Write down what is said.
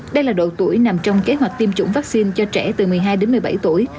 đây là độ tuổi nằm trong kế hoạch tiêm chủng vaccine cho trẻ từ một mươi hai đến một mươi bảy tuổi